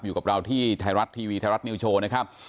อยู่กับเราที่ไทยรัฐทีวีไทยรัฐนิวโชว์นะครับ